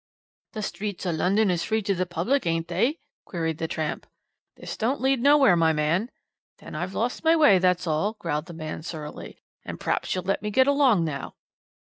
"'The streets o' London is free to the public, ain't they?' queried the tramp. "'This don't lead nowhere, my man.' "'Then I've lost my way, that's all,' growled the man surlily, 'and p'raps you'll let me get along now.'